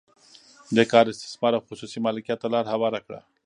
دې کار استثمار او خصوصي مالکیت ته لار هواره کړه.